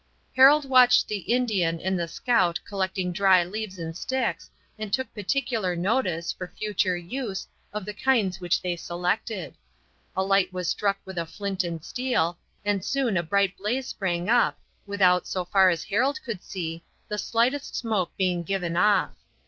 Harold watched the Indian and the scout collecting dry leaves and sticks, and took particular notice, for future use, of the kinds which they selected. A light was struck with a flint and steel, and soon a bright blaze sprang up, without, so far as Harold could see, the slightest smoke being given off.